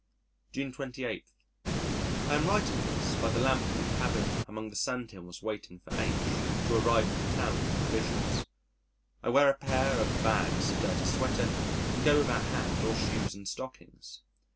June 28. I am writing this by the lamp in the cabin among the sandhills waiting for H to arrive from town with provisions. I wear a pair of bags, a dirty sweater, and go without hat or shoes and stockings.